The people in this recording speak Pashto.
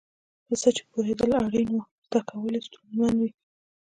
په څه چې پوهېدل اړین وي زده کول یې ستونزمن وي.